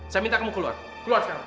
saya minta kamu keluar keluar sekarang